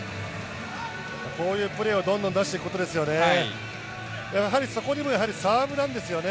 こういうプレーをどんどん出していくことですよね。